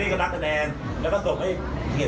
นักเข้ารวมคะแนนและก็ส่งให้แม่